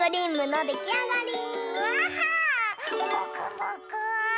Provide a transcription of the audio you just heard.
もくもく。